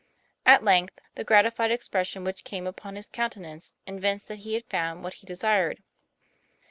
At length the gratified expression which came upon his countenance evinced that he had found what he de sired.